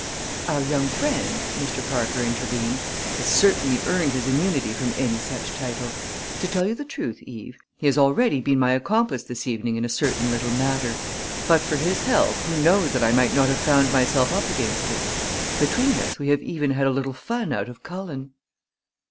"Our young friend," Mr. Parker intervened, "has certainly earned his immunity from any such title. To tell you the truth, Eve, he has already been my accomplice this evening in a certain little matter. But for his help, who knows that I might not have found myself up against it? Between us we have even had a little fun out of Cullen."